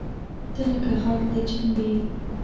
تۀ لکه غږ د چمبې !